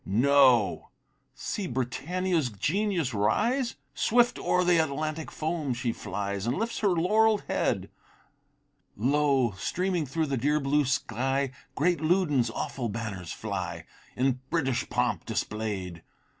No see Britannia's genius rise! Swift o'er the Atlantic foam she flies And lifts her laurell'd head! Lo! streaming through the dear blue sky, Great Loudon's awful banners fly, In British pomp display'd!